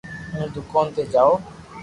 ھون دوڪون تو جاو